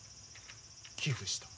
寄付した。